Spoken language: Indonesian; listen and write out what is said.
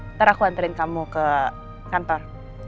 nanti aku anterin kamu ke kantor